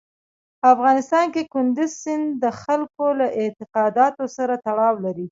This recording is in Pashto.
په افغانستان کې کندز سیند د خلکو له اعتقاداتو سره تړاو لري.